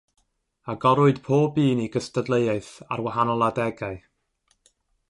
Agorwyd pob un i gystadleuaeth ar wahanol adegau.